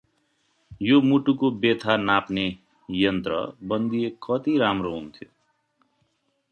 यो मुटुको बेथा नाप्ने यन्त्र बन्दिए कति राम्रो हुन्थ्यो ।